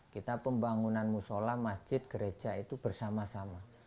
kita pembangunan musola masjid gereja itu bersama sama